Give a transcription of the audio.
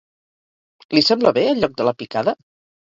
Li sembla bé el lloc de la picada?